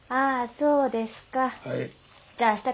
そうですか。